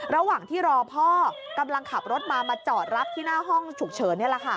ระหว่างที่รอพ่อกำลังขับรถมามาจอดรับที่หน้าห้องฉุกเฉินนี่แหละค่ะ